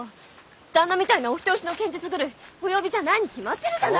旦那みたいなお人よしの剣術狂いお呼びじゃないに決まってるじゃない！